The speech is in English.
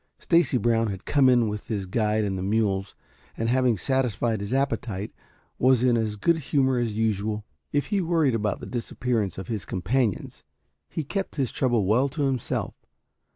Stacy Brown had come in with his guide and the mules, and having satisfied his appetite, was in as good humor as usual. If he worried about the disappearance of his companions, he kept his trouble well to himself.